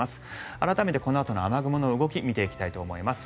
改めてこのあとの雨雲の動きを見ていきます。